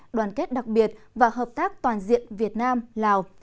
đoàn kết đặc biệt và hợp tác toàn diện việt nam lào